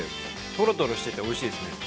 とろとろしてて、おいしいですね。